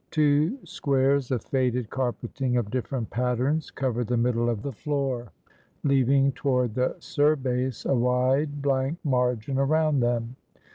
Two squares of faded carpeting of different patterns, covered the middle of the floor, leaving, toward the surbase, a wide, blank margin around them.